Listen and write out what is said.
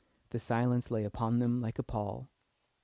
The silence lay upon them like a pall.